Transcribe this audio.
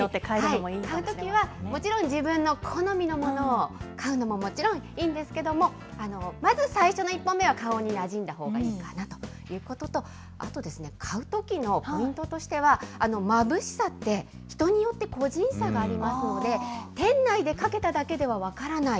そういうときは、もちろん自分の好みのものを買うのももちろんいいんですけども、まず最初の１本目は顔になじんだほうがいいかなということと、あと、買うときのポイントとしては、まぶしさって、人によって個人差がありますので、店内でかけただけでは分からない。